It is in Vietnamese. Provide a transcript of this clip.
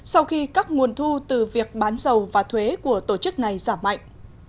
sau khi các nguồn thu từ việc bán dầu và thuế của tổ chức này giảm mạnh